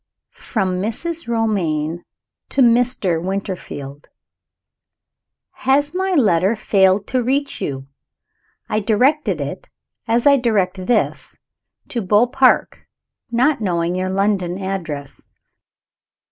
I. From Mrs. Romayne to Mr. Winterfield. HAS my letter failed to reach you? I directed it (as I direct this) to Beaupark, not knowing your London address.